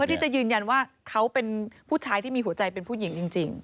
ที่จะยืนยันว่าเขาเป็นผู้ชายที่มีหัวใจเป็นผู้หญิงจริง